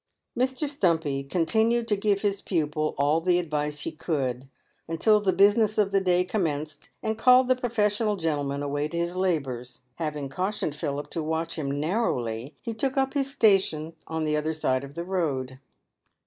Mr. Stumpy continued to give his pupil all the advice he could, until the business of the day commenced, and called the professional gentleman away to his labours. Having cautioned Philip to watch him narrowly, he took up his station on the other side of the road.